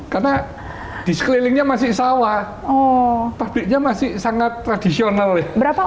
karena di sekelilingnya masih sawah pabriknya masih sangat tradisional ya